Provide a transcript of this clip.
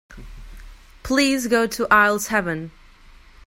Please go to aisle seven.